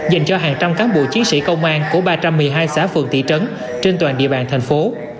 dành cho hàng trăm cán bộ chiến sĩ công an của ba trăm một mươi hai xã phường thị trấn trên toàn địa bàn thành phố